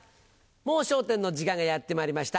『もう笑点』の時間がやってまいりました。